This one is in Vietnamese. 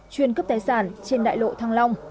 chuyên cướp tài sản trên đại lộ thăng long